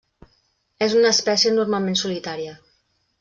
És una espècie normalment solitària.